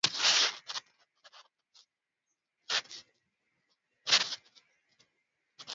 makazi makaa ya mawe kwa ajili ya uzalishaji wa umeme matumizi ya